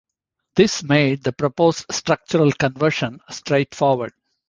This made the proposed structural conversion straightforward.